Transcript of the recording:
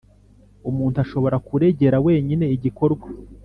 Umuntu ashobora kuregera wenyine igikorwa